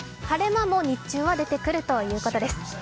晴れ間も日中は出てくるということです。